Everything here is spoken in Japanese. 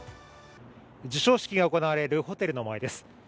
授賞式が行われるホテルの前です。